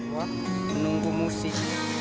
untuk menunggu musik